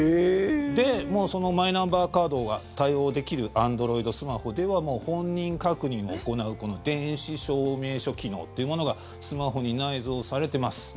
もう、そのマイナンバーカードが対応できるアンドロイドスマホでは本人確認を行う電子証明書機能っていうものがスマホに内蔵されてます。